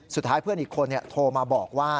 สุดท้ายเพื่อนอีกคนโทรมาบอกว่า